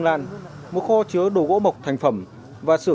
xin cám ơn bà